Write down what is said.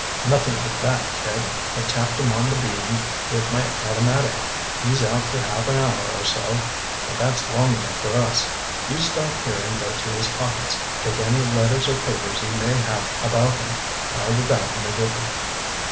"Nothing like that, kid. I tapped him on the bean with my automatic. He's out for half an hour or so—but that's long enough for us. You stop here and go through his pockets. Take any letters or papers he may have about him. I'll be back in a jiffy."